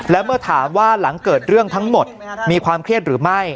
และเมื่อถามว่าหลังเกิดเรื่องทั้งหมดมีความเครียดหรือไม่